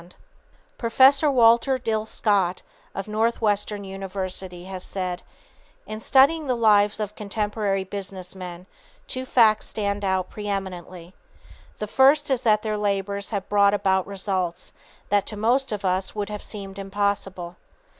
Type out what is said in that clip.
[Sidenote: Prominent Traits of Great Achievers] Professor Walter Dill Scott, of Northwestern University, has said: "In studying the lives of contemporary business men, two facts stand out pre eminently. The first is that their labors have brought about results that to most of us would have seemed impossible.